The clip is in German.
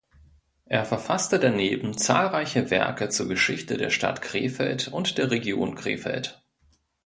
Er verfasste daneben zahlreiche Werke zur Geschichte der Stadt Krefeld und der Region Krefeld.